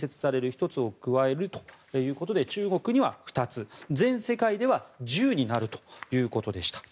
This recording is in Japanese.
１つを加えるということで中国には２つ、全世界では１０になるということでした。